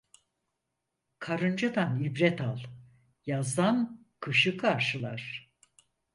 Karıncadan ibret al, yazdan kışı karşılar.